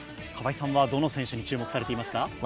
河合さんはどの選手に注目されていますか？